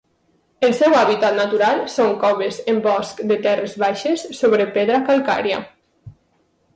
El seu hàbitat natural són coves en bosc de terres baixes sobre pedra calcària.